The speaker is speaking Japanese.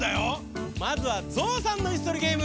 まずはゾウさんのいすとりゲーム。